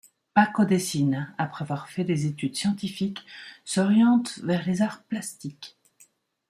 Paco Dècina, après avoir fait des études scientifiques, s'oriente vers les arts plastiques.